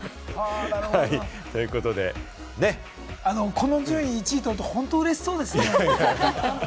この順位、１位取ると嬉しそうですね。